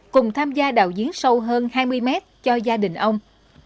cùng tham gia đào giếng sâu hơn hai mươi mét cho gia đình ông